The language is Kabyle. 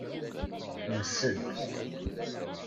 Msed.